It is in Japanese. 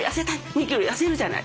２キロ痩せるじゃない？